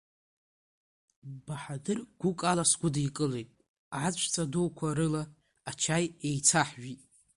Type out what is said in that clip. Баҳадыр гәык ала сгәыдикылеит, аҵәца дуқәа рыла ачаи еицаҳжәит.